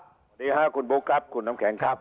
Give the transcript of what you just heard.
สวัสดีค่ะคุณบุ๊คครับคุณน้ำแข็งครับ